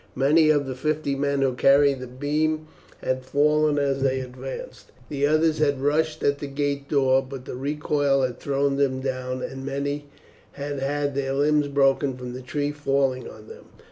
Many of the fifty men who carried the beam had fallen as they advanced. The others had rushed at the gate door, but the recoil had thrown them down, and many had had their limbs broken from the tree falling on them.